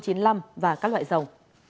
các loại dầu và các loại dầu